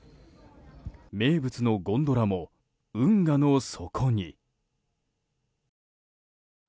名物のゴンドラも運河の底に。